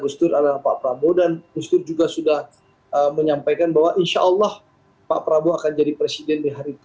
gubernur adalah pak prabowo dan gubernur juga sudah menyampaikan bahwa insya allah pak prabowo akan jadi presiden di hari tua